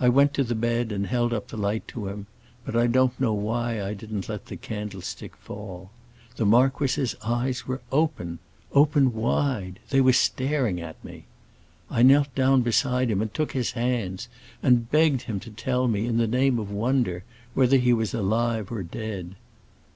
I went to the bed and held up the light to him, but I don't know why I didn't let the candlestick fall. The marquis's eyes were open—open wide! they were staring at me. I knelt down beside him and took his hands, and begged him to tell me, in the name of wonder, whether he was alive or dead.